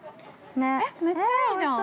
めっちゃいいじゃん。